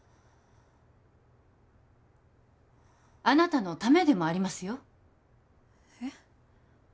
あなたのためでもありますよえっ？